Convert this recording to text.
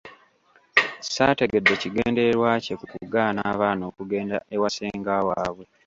Saategedde kigendererwa kye mu kugaana abaana okugenda ewa ssenga waabwe.